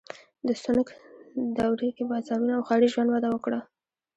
د سونګ دورې کې بازارونه او ښاري ژوند وده وکړه.